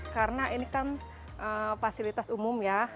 karena ini kan fasilitas umum ya